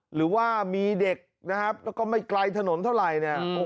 หรือว่ามีเด็กนะครับแล้วก็ไม่ไกลถนนเท่าไหร่เนี่ย